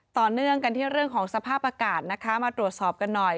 ต่อเนื่องกันที่เรื่องของสภาพอากาศนะคะมาตรวจสอบกันหน่อย